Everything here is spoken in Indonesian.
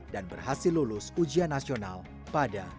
dan berhasil lulus ujian nasional pada dua ribu tujuh belas